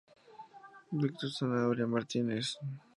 Víctor Sanabria Martínez.